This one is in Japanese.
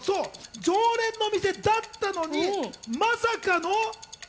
常連の店だったのに、まさかの。